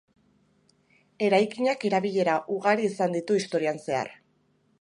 Eraikinak erabilera ugari izan ditu historian zehar.